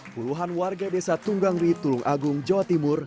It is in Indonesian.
puluhan warga desa tunggang ri tulung agung jawa timur